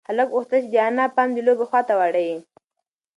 هلک غوښتل چې د انا پام د لوبې خواته واړوي.